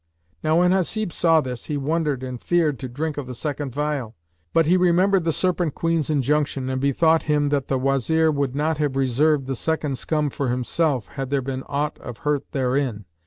Now when Hasib saw this, he wondered and feared to drink of the second phial; but he remembered the Serpent queen's injunction and bethought him that the Wazir would not have reserved the second scum for himself, had there been aught of hurt therein.